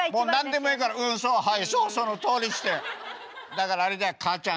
だからあれだよかあちゃんね。